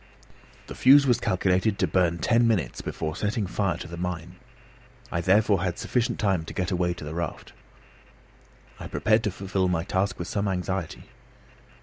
The fuse was calculated to burn ten minutes before setting fire to the mine. I therefore had sufficient time to get away to the raft. I prepared to fulfil my task with some anxiety.